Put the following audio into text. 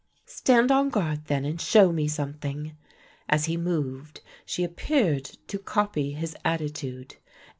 "Stand on guard then, and show me something." As he moved, she appeared to copy his attitude.